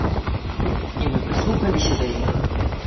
І мы прыслухаліся да іх.